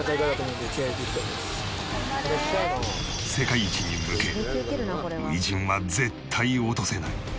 世界一に向け初陣は絶対落とせない。